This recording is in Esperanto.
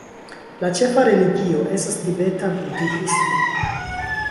La ĉefa religio estas tibeta budhismo.